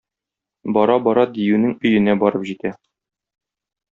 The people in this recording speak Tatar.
Бара-бара диюнең өенә барып җитә.